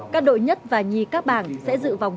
các đội nhất và nhì các bảng sẽ dự vòng